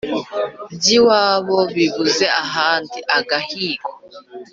by'iwabo bibuze ahandi (agahigo)